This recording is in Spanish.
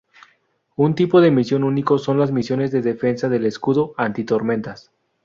Un tipo de misión único son las misiones de Defensa del escudo Anti tormentas.